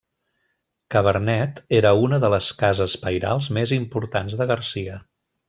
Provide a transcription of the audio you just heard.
Ca Vernet era una de les cases pairals més importants de Garcia.